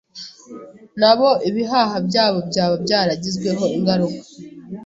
nabo ibihaha byabo byaba byaragizweho ingaruka.